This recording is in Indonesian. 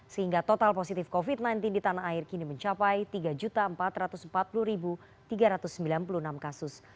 sehingga total positif covid sembilan belas di tanah air kini mencapai tiga empat ratus empat puluh tiga ratus sembilan puluh enam kasus